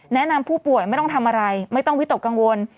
แนะนำผู้ป่วยไม่ต้องทำอะไรไม่ต้องวิตกกังวล